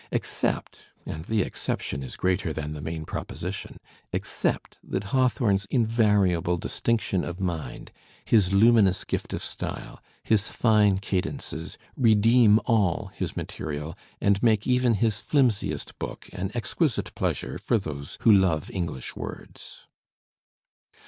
Except — and the exception is greater than the main proposition — except that Hawthorne's invariable distinction of mind, his luminous gift of style, his fine cadences redeem aU his material and make even his flimsiest book an exquisite pleasure for those who love English words.